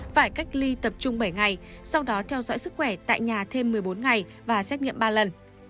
phải cách ly tập trung bảy ngày sau đó theo dõi sức khỏe tại nhà thêm một mươi bốn ngày và xét nghiệm ba lần